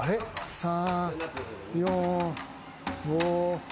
３４５。